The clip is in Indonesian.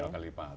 dua kali lipat